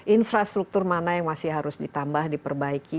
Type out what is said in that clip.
infrastruktur mana yang masih harus ditambah diperbaiki